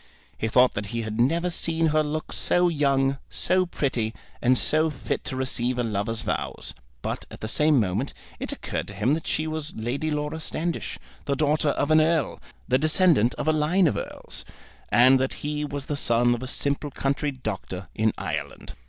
He thought that he had never seen her look so young, so pretty, and so fit to receive a lover's vows. But at the same moment it occurred to him that she was Lady Laura Standish, the daughter of an Earl, the descendant of a line of Earls, and that he was the son of a simple country doctor in Ireland.